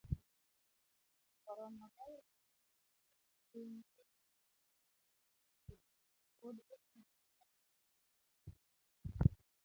corona virus osebedo epiny kuom higini mokalo mia achiel, pod okong'ere kama neowuokie,